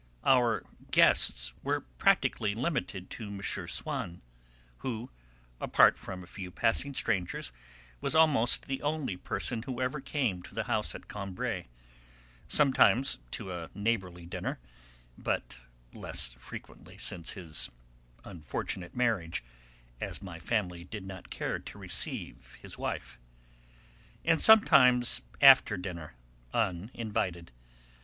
Our 'guests' were practically limited to M. Swann, who, apart from a few passing strangers, was almost the only person who ever came to the house at Combray, sometimes to a neighbourly dinner (but less frequently since his unfortunate marriage, as my family did not care to receive his wife) and sometimes after dinner, uninvited.